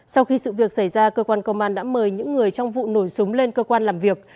sau khi sự việc xảy ra cơ quan công an đã mời những người trong vụ nổ súng lên cơ quan làm việc